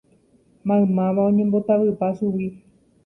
Maymáva oñembotavypa chugui.